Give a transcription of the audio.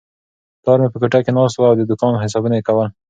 پلار مې په کوټه کې ناست و او د دوکان حسابونه یې کول.